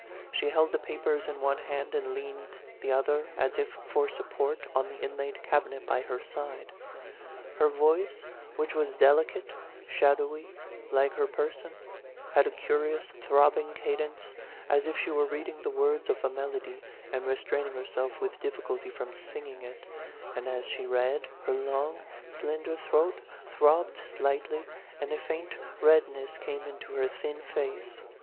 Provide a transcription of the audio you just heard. She held the papers in one hand, and leaned the other, as if for support, on the inlaid cabinet by her side. Her voice, which was delicate, shadowy, like her person, had a curious throbbing cadence, as if she were reading the words of a melody, and restraining herself with difficulty from singing it ; and as she read, her long, slender throat throbbed slightly, and a faint redness came into her thin face.